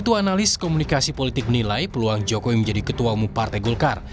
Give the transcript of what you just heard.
ketua analis komunikasi politik menilai peluang jokowi menjadi ketua umum partai golkar